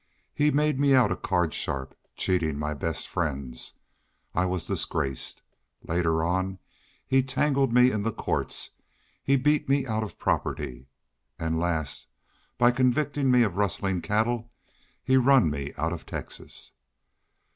He made me out a card sharp, cheatin' my best friends. I was disgraced. Later he tangled me in the courts he beat me out of property an' last by convictin' me of rustlin' cattle he run me out of Texas."